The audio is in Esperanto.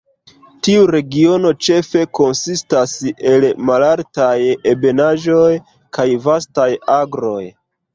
Tiu regiono ĉefe konsistas el malaltaj ebenaĵoj kaj vastaj agroj.